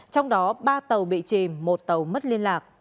trong đó ba tàu bị chìm một tàu mất liên lạc